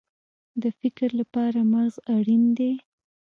د فکر لپاره مغز اړین دی